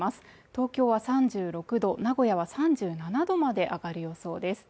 東京は３６度名古屋は３７度まで上がる予想です